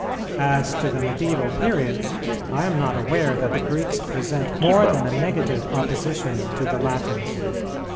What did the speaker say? As to the medieval period I am not aware that the Greeks present more than a negative opposition to the Latins.